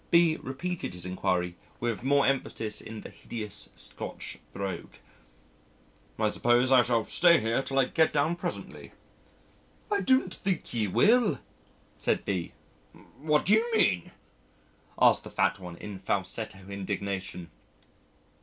B repeated his inquiry with more emphasis in the hideous Scotch brogue. "I suppose I shall stay here till I get down presently." "I don't think you will," said B . "What do you mean?" asked the fat one in falsetto indignation.